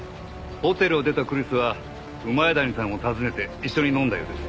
ホテルを出たクリスは谷さんを訪ねて一緒に飲んだようです。